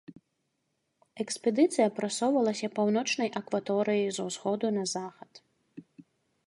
Экспедыцыя прасоўвалася паўночнай акваторыяй з усходу на захад.